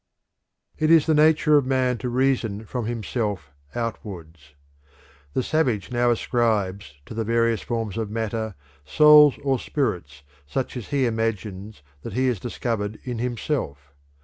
It is the nature of man to reason from himself outwards. The savage now ascribes to the various forms of matter souls or spirits such as he imagines that he has discovered in himself.